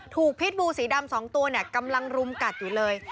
ถูกพิษบู๋สีดำสองตัวเนี่ยกำลังรุมกัดอยู่เลย